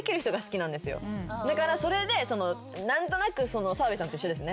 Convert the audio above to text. だからそれで何となく澤部さんと一緒ですね。